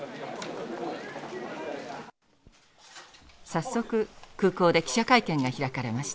早速空港で記者会見が開かれました。